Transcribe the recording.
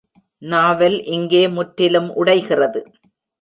நாவல் இங்கே முற்றிலும் உடைகிறது.